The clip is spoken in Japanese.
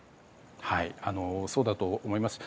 そうだと思います。